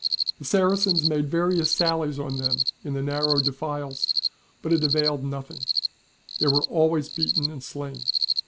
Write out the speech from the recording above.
The Saracens made various sallies on them in the narrow defiles, but it availed nothing ; they were always beaten and slain.